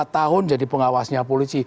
empat tahun jadi pengawasnya polisi